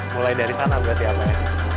mulai dari sana berarti abah ya